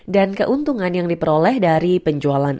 dan keuntungan yang diperoleh dari penjualan